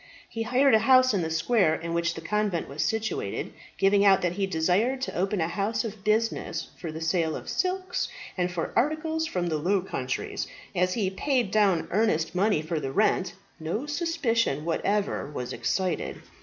He hired a house in the square in which the convent was situated, giving out that he desired to open a house of business for the sale of silks, and for articles from the Low Countries. As he paid down earnest money for the rent, no suspicion whatever was excited.